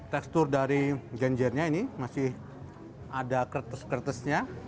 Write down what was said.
tekstur dari genjernya ini masih ada kertes kertesnya